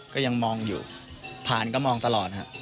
ก็ยังมองอยู่ผ่านก็มองตลอดฮะ